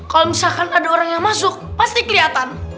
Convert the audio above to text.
kalau misalkan ada orang yang masuk pasti kelihatan